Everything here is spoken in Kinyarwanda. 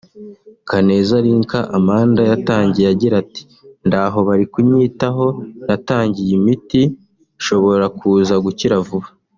Kaneza Lynka Amanda yatangiye agira ati ”Ndaho bari kunyitaho natangiye imiti nshobora kuza gukira vuba